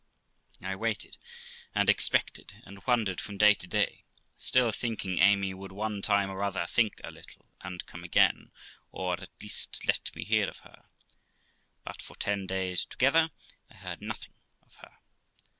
I waited, and expected, and wondered, from day to day, still thinking Amy would one time or other think a little and come again, or at least let me hear of her; but for ten days together I heard nothing of her.